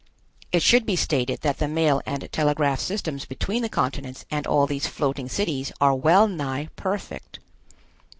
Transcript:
It should be stated that the mail and telegraph systems between the continents and all these floating cities are well nigh perfect.